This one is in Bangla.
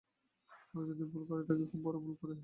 তারা ভুল যদি করে, খুব বড়ো করেই ভুল করে।